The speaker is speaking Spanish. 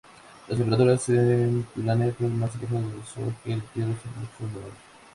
Las temperaturas en planetas más alejados del Sol que la Tierra son mucho menores.